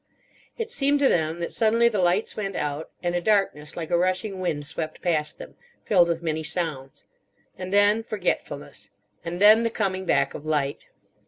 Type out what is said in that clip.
It seemed to them that suddenly the lights went out; and a darkness like a rushing wind swept past them, filled with many sounds. And then forgetfulness. And then the coming back of light.